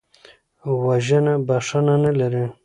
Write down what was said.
وژنه بښنه نه لري